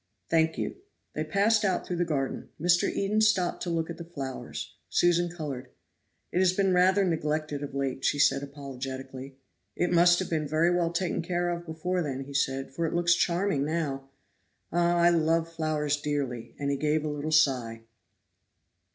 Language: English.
"Thank you." They passed out through the garden. Mr. Eden stopped to look at the flowers. Susan colored. "It has been rather neglected of late," said she apologetically. "It must have been very well taken care of before, then," said he, "for it looks charming now. Ah! I love flowers dearly!" and he gave a little sigh.